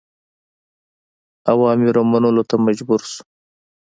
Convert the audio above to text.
اوامرو منلو ته مجبور شو.